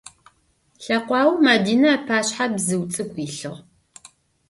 Лъэкъуаоу Мэдинэ ыпашъхьэ бзыу цӏыкӏу илъыгъ.